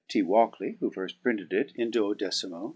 T. Walkley, who firft printed it in i2mo.